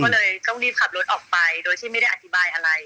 ก็เลยต้องรีบขับรถออกไปโดยที่ไม่ได้อธิบายอะไร